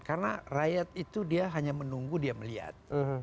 karena rakyat itu dia hanya menunggu dia melihat